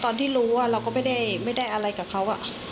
ตอนที่รู้อ่ะเราก็ไม่ได้ไม่ได้อะไรกับเขาอ่ะ